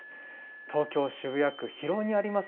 東京・渋谷区広尾にあります